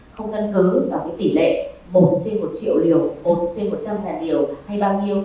không căn cứ vào tỷ lệ một trên một triệu liều một trên một trăm linh ngàn liều hay bao nhiêu